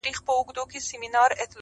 د کوثر له حوضه ډکه پیمانه يې-